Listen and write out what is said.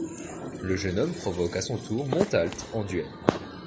Le jeune homme provoque à son tour Montalt en duel.